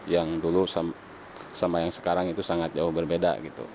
yang dulu sama yang sekarang itu sangat jauh berbeda gitu